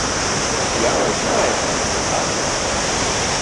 Як почуваєте себе, га?